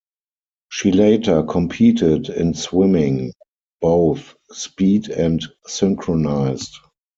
She later competed in swimming, both speed and synchronized.